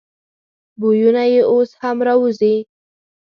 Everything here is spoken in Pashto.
بویونه یې اوس هم راوزي.